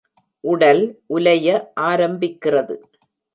உடல் உலைய ஆரம்பிக்கிறது.